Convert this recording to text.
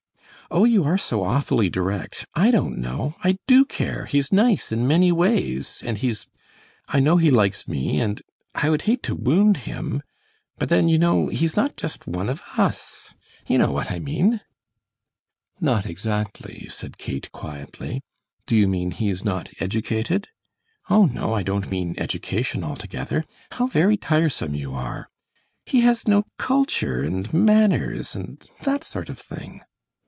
"Oh, you are so awfully direct. I don't know. I do care; he's nice in many ways, and he's I know he likes me and I would hate to wound him, but then you know he's not just one of us. You know what I mean!" "Not exactly," said Kate, quietly. "Do you mean he is not educated?" "Oh, no, I don't mean education altogether. How very tiresome you are! He has no culture, and manners, and that sort of thing."